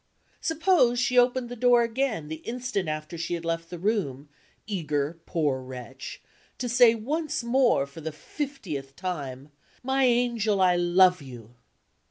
Suppose she opened the door again the instant after she had left the room, eager, poor wretch, to say once more, for the fiftieth time, "My angel, I love you!"